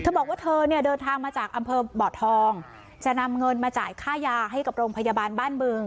เธอบอกว่าเธอเนี่ยเดินทางมาจากอำเภอบ่อทองจะนำเงินมาจ่ายค่ายาให้กับโรงพยาบาลบ้านบึง